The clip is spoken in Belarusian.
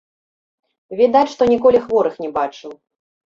Відаць, што ніколі хворых не бачыў.